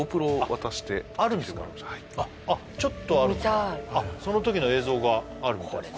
見たいその時の映像があるみたいです